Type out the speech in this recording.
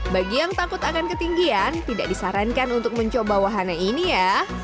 bagi yang takut akan ketinggian tidak disarankan untuk mencoba wahana ini ya